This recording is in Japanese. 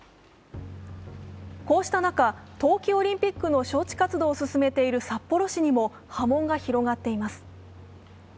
こうした中、冬季オリンピックの招致活動を進めている札幌市にも波紋が広がっています。